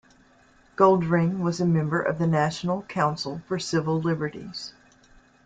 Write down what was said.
Goldring was a member of the National Council for Civil Liberties.